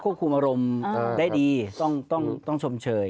คุมอารมณ์ได้ดีต้องชมเชย